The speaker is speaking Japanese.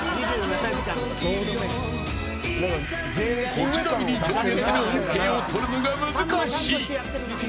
小刻みに上下する音程を取るのが難しい。